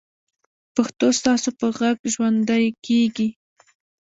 پښتو ستاسو په غږ ژوندۍ کېږي.